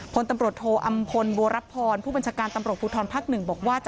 พลตำรวจโทอำพลบัวรับพรผู้บัญชาการตำรวจภูทรภักดิ์๑บอกว่า